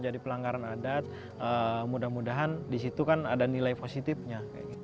jadi pelanggaran adat mudah mudahan disitu kan ada nilai positifnya